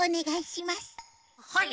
はい。